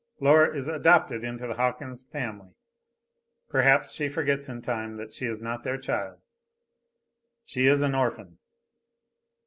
Laura is adopted into the Hawkins family. Perhaps she forgets in time that she is not their child. She is an orphan.